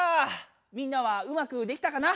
みんなはうまくできたかな？